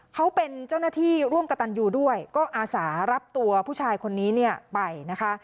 เขาเป็นเจ้าหน้าที่ร่วมกับตันยูด้วยก็อาสารับตัวผู้ชายคนนี้เนี่ยไปนะคะ